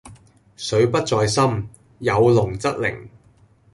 水不在深，有龍則靈